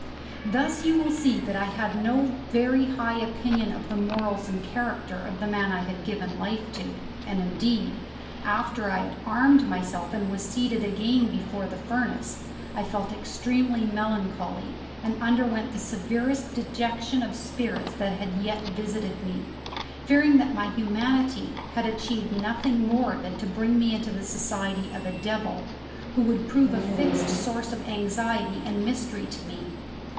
Thus you will see that I had no very high opinion of the morals and character of the man I had given life to; and indeed, after I had armed myself and was seated again before the furnace, I felt extremely melancholy, and underwent the severest dejection of spirits that had yet visited me, fearing that my humanity had achieved nothing more than to bring me into the society of a devil, who would prove a fixed source of anxiety and misery to me.